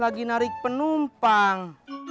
lagi narik penumpang